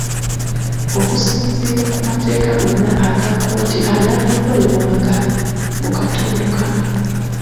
Okusinziira ku mateeka gonna aga kkooti aganaakolebwanga mu katundu kano.